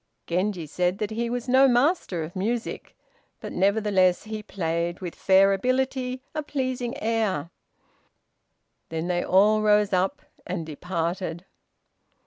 Genji said that he was no master of music; but, nevertheless, he played, with fair ability, a pleasing air. Then they all rose up, and departed.